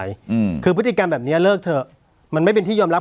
อืมคือพฤติกรรมแบบเนี้ยเลิกเถอะมันไม่เป็นที่ยอมรับ